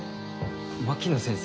槙野先生